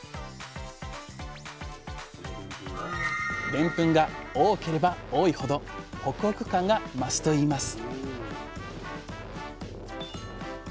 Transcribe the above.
でんぷんが多ければ多いほどホクホク感が増すといいます